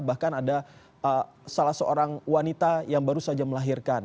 bahkan ada salah seorang wanita yang baru saja melahirkan